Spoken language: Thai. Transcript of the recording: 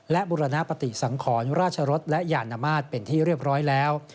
และบุรณปฏิสังขรราชรสและยานมาตรเป็นที่เรียบร้อยแล้ว